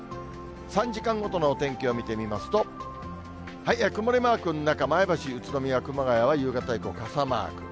３時間ごとのお天気を見てみますと、曇りマークの中、前橋、宇都宮、熊谷は夕方以降、傘マーク。